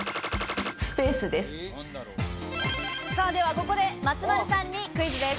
ではここで松丸さんにクイズです。